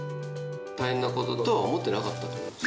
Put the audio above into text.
大変なことだとは思ってなかったと思います。